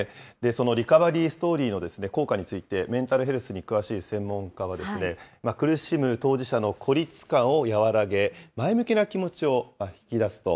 そのリカバリーストーリーの効果について、メンタルヘルスに詳しい専門家は、苦しむ当事者の孤立感を和らげ、前向きな気持ちを引き出すと。